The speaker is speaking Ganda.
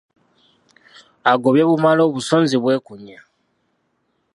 Agobye bumale, obusonzi bwekunya.